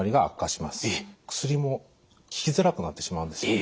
薬も効きづらくなってしまうんですね。